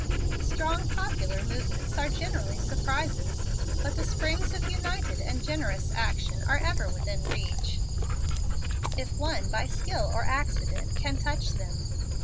Strong popular movements are generally surprises, but the springs of united and generous action are ever within reach, if one by skill or accident can touch them.